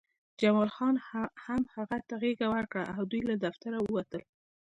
جمال خان هم هغه ته غېږه ورکړه او دوی له دفتر ووتل